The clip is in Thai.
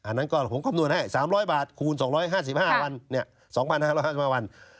อันนั้นก็ผมคำนวณให้๓๐๐บาทคูณ๒๕๕วัน๒๕๕๕วัน